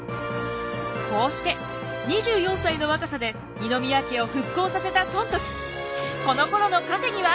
こうして２４歳の若さで二宮家を復興させた尊徳。